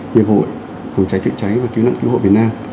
nghiệp hội phòng cháy trợ cháy và cứu nạn cứu hộ việt nam